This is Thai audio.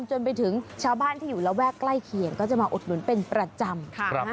จนไปถึงชาวบ้านที่อยู่ระแวกใกล้เคียงก็จะมาอุดหนุนเป็นประจำ